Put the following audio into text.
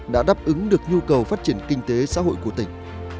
đã đáp ứng được nhu cầu phát triển kinh tế xã hội của tỉnh